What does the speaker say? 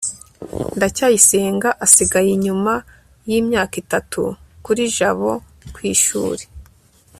ndacyayisenga asigaye inyuma yimyaka itatu kuri jabo kwishuri